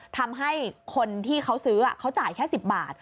ทำให้คนที่เขาซื้อเขาจ่ายแค่๑๐บาท